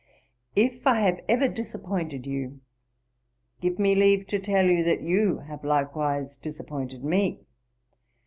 'If I have ever disappointed you, give me leave to tell you, that you have likewise disappointed me.